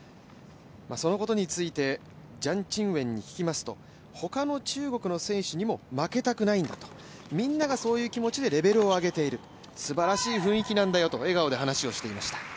そのことについてジャン・チンウェンに聞きますと、他の中国の選手にも負けたくないんだと、みんながそういう気持でレベルを上げているすばらしい雰囲気なんだよと笑顔で話をしていました。